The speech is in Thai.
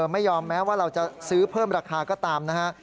ไม่ยอมแม้ว่าเราจะซื้อเพิ่มราคาก็ตามนะฮะ